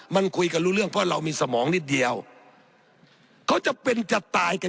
พรรคใกล้ผมก็หลายคน